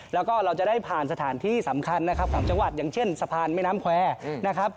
แล้วก็เราจะได้ผ่านสถานที่สำคัญนะครับของจังหวัดอย่างเช่นสะพานแม่น้ำแควร์นะครับ